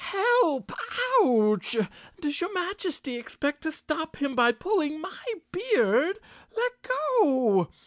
"Help! Ouch! Does your Majesty expect to stop him by pulling my beard 1 ? Let go!